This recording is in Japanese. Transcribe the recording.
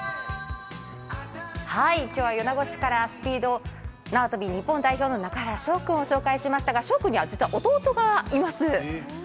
今日は米子市からスピード縄跳び日本代表の中原翔君を紹介しましたが、翔君には実は弟がいます。